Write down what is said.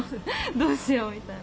どうしようみたいな。